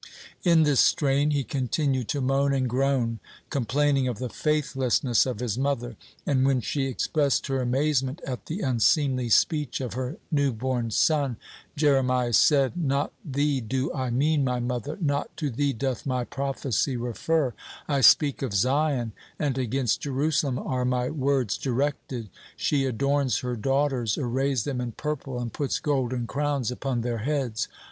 In this strain he continued to moan and groan, complaining of the faithlessness of his mother, and when she expressed her amazement at the unseemly speech of her new born son, Jeremiah said: "Not thee do I mean, my mother, not to thee doth my prophecy refer; I speak of Zion, and against Jerusalem are my words directed. She adorns her daughters, arrays them in purple, and puts golden crowns upon their heads.